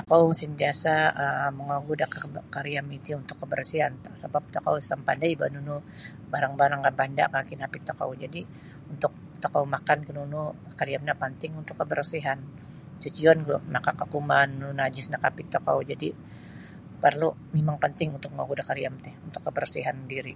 Tokou santiasa um miogu da kariam iti untuk kabarsian saban tokou isa mapandai bah nunu-nunu barang-barang ka banda ka kinabit tokou jadi untuk tokou makan ka nunu kariam no panting untuk kabarsihan cucian gulu makak ka kuman najis nakatapik tokou jadi parlu mimang panting untuk miagu da kariam ti untuk kabarsihan diri.